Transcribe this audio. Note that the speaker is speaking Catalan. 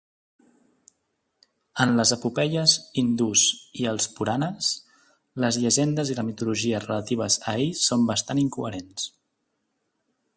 En les epopeies hindús i els puranas, les llegendes i la mitologia relatives a ell són bastant incoherents.